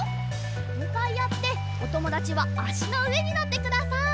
むかいあっておともだちはあしのうえにのってください。